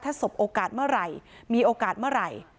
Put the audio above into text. ถ้าสบโอกาสเมื่อไหร่มีโอกาสเมื่อไหร่